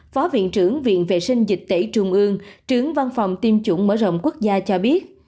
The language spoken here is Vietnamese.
phó viện trưởng viện vệ sinh dịch tễ trung ương trưởng văn phòng tiêm chủng mở rộng quốc gia cho biết